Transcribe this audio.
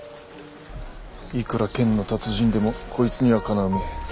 いくら剣の達人でもこいつにはかなうめえ。